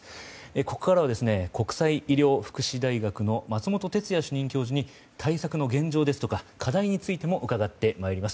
ここからは、国際医療福祉大学の松本哲哉主任教授に対策の現状ですとか課題についても伺ってまいります。